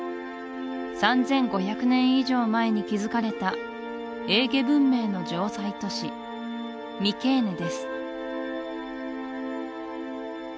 ３５００年以上前に築かれたエーゲ文明の城塞都市ミケーネです